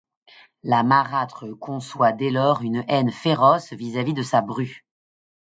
La marâtre conçoit dès lors une haine féroce vis-à-vis de sa bru.